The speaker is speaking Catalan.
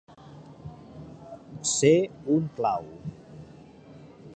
Ser un clau.